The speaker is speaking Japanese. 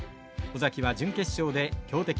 尾崎は準決勝で強敵